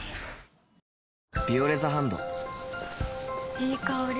いい香り。